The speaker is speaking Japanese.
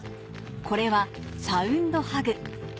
これはサウンドハグ